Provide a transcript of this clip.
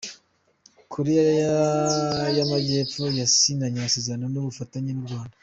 Korea y’Amajyepfo yasinyanye amasezerano y’ubufatanye n’u Rwanda